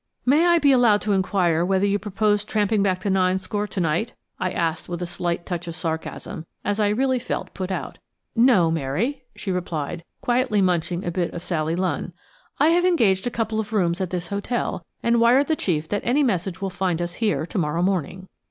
"May I be allowed to inquire whether you propose tramping back to Ninescore to night?" I asked with a slight touch of sarcasm, as I really felt put out. "No, Mary," she replied, quietly munching a bit of Sally Lunn; "I have engaged a couple of rooms at this hotel and wired the chief that any message will find us here to morrow morning."